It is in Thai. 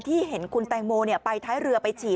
เห็นคุณแตงโมไปท้ายเรือไปฉีด